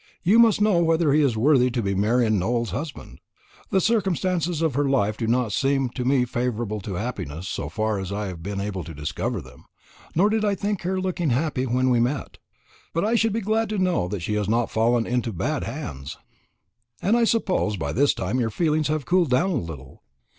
You must know whether he is worthy to be Marian Nowell's husband. The circumstances of her life do not seem to me favourable to happiness, so far as I have been able to discover them; nor did I think her looking happy when we met. But I should be glad to know that she has not fallen into bad hands." "And I suppose by this time your feelings have cooled down a little.